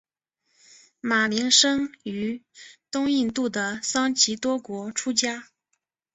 马鸣生于东印度的桑岐多国出家。